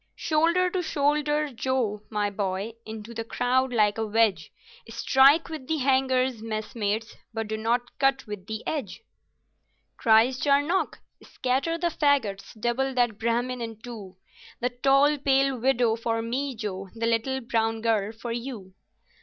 "Shoulder to shoulder, Joe, my boy, into the crowd like a wedge Strike with the hangers, messmates, but do not cut with the edge. Cries Charnock, "Scatter the faggots, double that Brahmin in two, The tall pale widow for me, Joe, the little brown girl for you!"